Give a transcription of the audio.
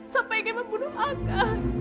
sampai ingin membunuh saya